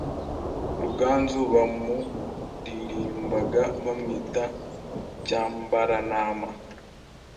Ruganzu bamuririmbaga bamwita Cyambarantama